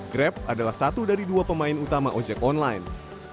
grab adalah satu dari dua pemain utama ojek online